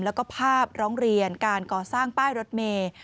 แล้วก็ภาพร้องเรียนการก่อสร้างป้ายรถเมย์